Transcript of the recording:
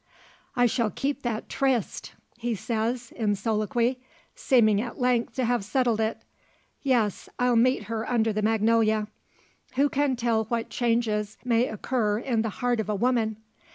"I shall keep that tryst," he says, in soliloquy, seeming at length to have settled it. "Yes; I'll meet her under the magnolia. Who can tell what changes may occur in the heart of a woman?